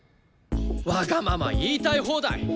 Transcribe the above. わがまま言いたい放題。